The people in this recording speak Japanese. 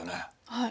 はい。